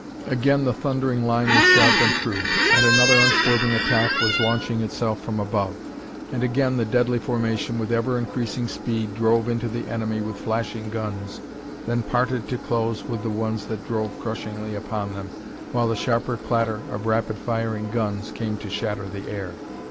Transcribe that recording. Again the thundering line was sharp and true, and another unswerving attack was launching itself from above. And again the deadly formation, with ever increasing speed, drove into the enemy with flashing guns, then parted to close with the ones that drove crushingly upon them, while the sharper clatter of rapid firing guns came to shatter the air.